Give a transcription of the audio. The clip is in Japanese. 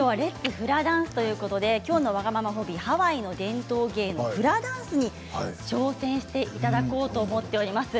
フラダンスということできょうの「わがままホビー」はハワイの伝統芸能フラダンスに挑戦していただこうと思っております。